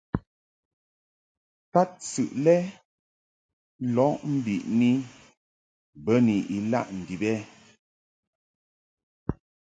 Tadsɨʼ lɛ lɔʼ mbiʼni bə ni ilaʼ ndib ɛ ?